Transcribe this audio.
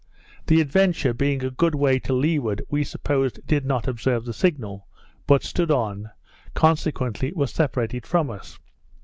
The Adventure, being a good way to leeward, we supposed, did not observe the signal, but stood on; consequently was separated from us.